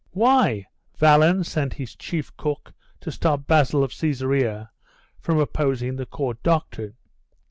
'Why, Valens sent his chief cook to stop Basil of Caesarea from opposing the Court doctrine....